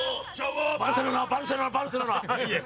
バルセロナバルセロナバルセロナ。